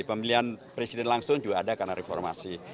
pemilihan presiden langsung juga ada karena reformasi